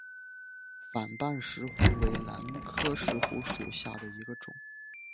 反瓣石斛为兰科石斛属下的一个种。